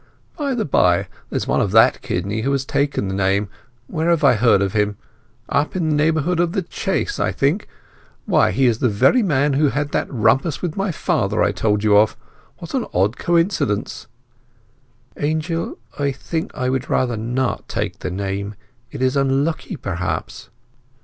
By the bye, there's one of that kidney who has taken the name—where have I heard of him?—Up in the neighbourhood of The Chase, I think. Why, he is the very man who had that rumpus with my father I told you of. What an odd coincidence!" "Angel, I think I would rather not take the name! It is unlucky, perhaps!"